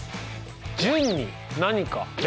「順」に何か「列」。